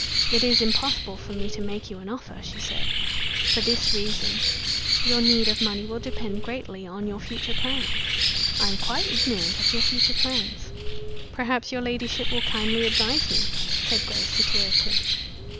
"It is impossible for me to make you an offer," she said, "for this reason your need of money will depend greatly on your future plans. I am quite ignorant of your future plans.'' "Perhaps your ladyship will kindly advise me?" said Grace, satirically.